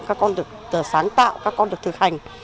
các con được sáng tạo các con được thực hành